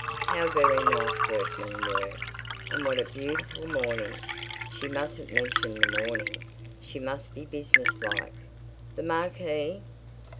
How very nice workmen were! And what a beautiful morning! She mustn't mention the morning; she must be business like. The marquee.